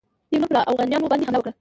تیمور پر اوغانیانو باندي حملې وکړې.